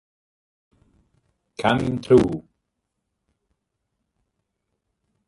Coming Through